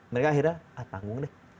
mereka akhirnya ah tanggung deh